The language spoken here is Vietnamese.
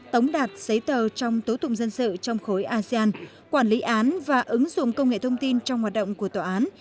tống đạt giấy tờ trong tố tụng dân sự trong khối asean quản lý án và ứng dụng công nghệ thông tin trong hoạt động của tòa án